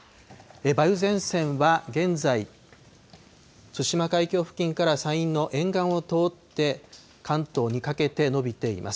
梅雨前線は現在、つしま海峡付近から山陰の沿岸を通って、関東にかけて延びています。